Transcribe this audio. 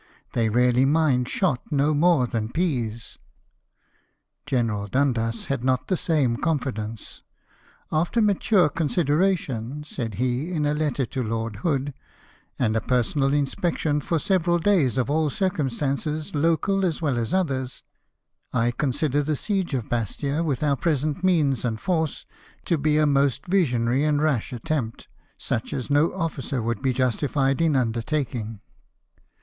They really mind shot no more than peas." General Dundas had not the same confidence, " After mature consideration," said he in a letter to Lord Hood, "and a personal inspection for several days of all circumstances, local as well as others, I THE SIEGE OF BASTIA. 60 consider the siege of Bastia, with our present means and force, to be a most visionary and rash attempt, such as no officer would be justified in undertaking."